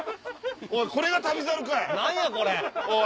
おいこれが『旅猿』かい！